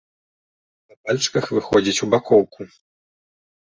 На пальчыках выходзіць у бакоўку.